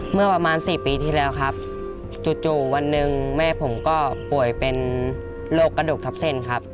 เมื่อประมาณ๔ปีที่แล้วครับจู่วันหนึ่งแม่ผมก็ป่วยเป็นโรคกระดูกทับเส้นครับ